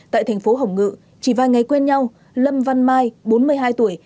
tại thành phố hồng ngự chỉ vài ngày quen nhau lâm văn mai bốn mươi hai tuổi